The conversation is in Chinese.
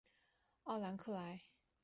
奥兰克莱。